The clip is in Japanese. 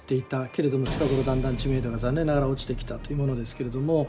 けれども近頃だんだん知名度が残念ながら落ちてきたというものですけれども。